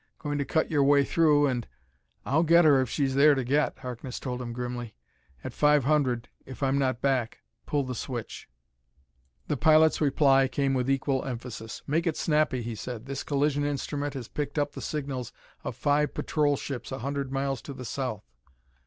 "Going to cut your way through and " "I'll get her if she's there to get," Harkness told him grimly. "At five hundred, if I'm not back, pull the switch." The pilot's reply came with equal emphasis. "Make it snappy," he said: "this collision instrument has picked up the signals of five patrol ships a hundred miles to the south."